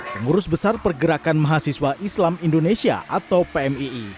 pengurus besar pergerakan mahasiswa islam indonesia atau pmii